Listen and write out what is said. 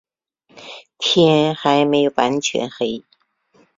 天还没全黑